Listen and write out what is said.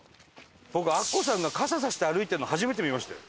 僕アッコさんが傘差して歩いてるの初めて見ましたよ。